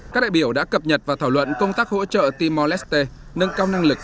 các đại biểu đã cập nhật và thảo luận công tác hỗ trợ timor leste nâng cao năng lực